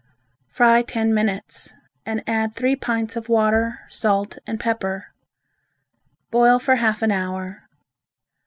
Fry ten minutes and add three pints of water, salt and pepper. Boil for half an hour.